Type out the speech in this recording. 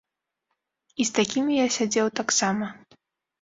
І з такімі я сядзеў таксама.